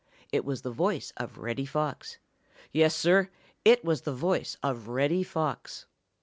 It was the voice of Reddy Fox. Yes, Sir, it was the voice of Reddy Fox.